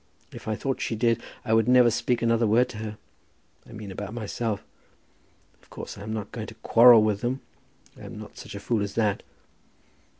If I thought she did, I would never speak another word to her, I mean about myself. Of course I am not going to quarrel with them. I am not such a fool as that."